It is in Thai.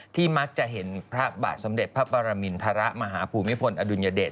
มักจะเห็นพระบาทสมเด็จพระปรมินทรมาหาภูมิพลอดุลยเดช